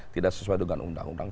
tidak sesuai dengan undang undang